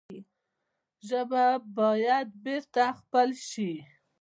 ژبه باید بېرته خپل شي.